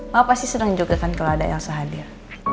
makasih sering juga kan kalau ada elsa hadir